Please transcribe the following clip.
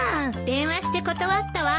電話して断ったわ。